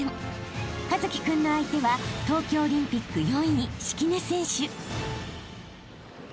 ［一輝君の相手は東京オリンピック４位敷根選手］